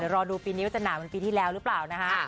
รอดูปีนี้ว่าจะหนาวเหมือนปีที่แล้วหรือเปล่านะคะ